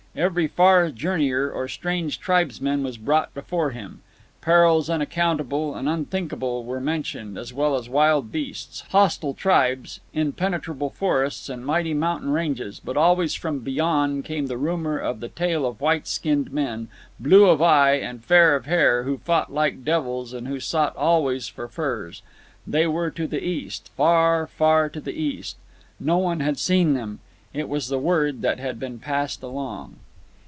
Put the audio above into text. Every far journeyer or strange tribesman was brought before him. Perils unaccountable and unthinkable were mentioned, as well as wild beasts, hostile tribes, impenetrable forests, and mighty mountain ranges; but always from beyond came the rumour and the tale of white skinned men, blue of eye and fair of hair, who fought like devils and who sought always for furs. They were to the east—far, far to the east. No one had seen them. It was the word that had been passed along.